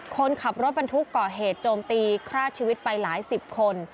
คนขับรถบรรทุกก่อเหตุโจมตีฆ่าชีวิตไปหลายสิบคน